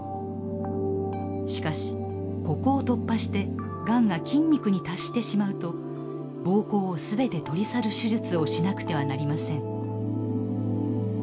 しかしここを突破してがんが筋肉に達してしまうと膀胱をすべて取り去る手術をしなくてはなりません。